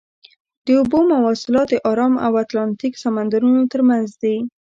د اوبو مواصلات د ارام او اتلانتیک سمندرونو ترمنځ دي.